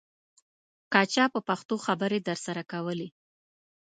که چا په پښتو خبرې درسره کولې.